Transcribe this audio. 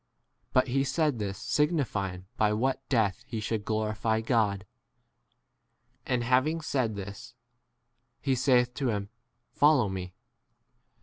But he said this signifying by what death he should glorify God. And having said this, he saith to him, Follow me.